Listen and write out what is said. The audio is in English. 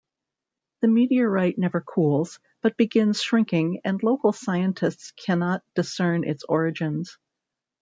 The meteorite never cools, but begins shrinking and local scientists cannot discern its origins.